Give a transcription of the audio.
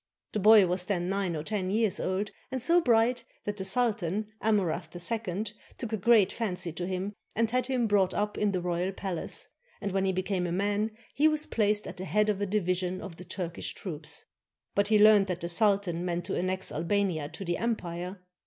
The boy was then nine or ten years old, and so bright that the sultan, Amurath II, took a great fancy to him and had him brought up in the royal palace, and when he became a man, he was placed at the head of a division of the Turkish troops. But he learned that the sultan meant to annex Albania to the empire.